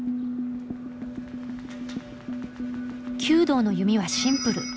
弓道の弓はシンプル。